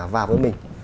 vào với mình